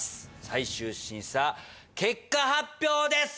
最終審査結果発表です！